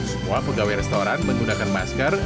semua pegawai restoran menggunakan masker